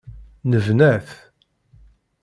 Nebna-t.